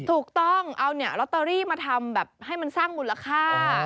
ถูกต้องเอาเนี่ยลอตเตอรี่มาทำแบบให้มันสร้างมูลค่า